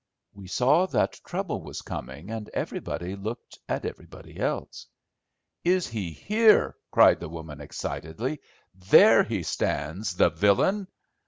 We saw that trouble was coming, and everybody looked at everybody else. "Is he here?" cried the woman excitedly; "there he stands, the villain.